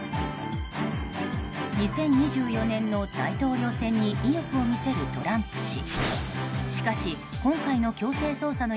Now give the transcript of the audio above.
２０２４年の大統領選に意欲を見せるトランプ氏。